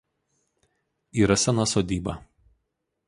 Yra sena sodyba.